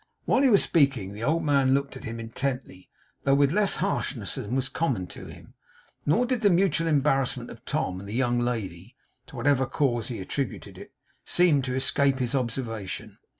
While he was speaking, the old man looked at him intently, though with less harshness than was common to him; nor did the mutual embarrassment of Tom and the young lady, to whatever cause he attributed it, seem to escape his observation.